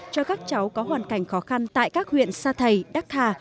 cho các cháu có hoàn cảnh khó khăn tại các huyện sa thầy đắc hà